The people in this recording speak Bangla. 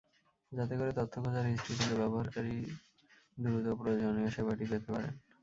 যাতে করে তথ্য খোঁজার হিস্ট্রি থেকে ব্যবহারকারী দ্রুত প্রয়োজনীয় সেবাটি পেতে পারেন।